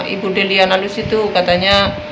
ibu delia nalus itu katanya